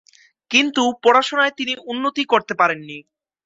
কিন্তু পড়াশোনায় তিনি উন্নতি করতে পারেননি।